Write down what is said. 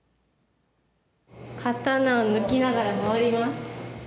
刀を抜きながら回ります。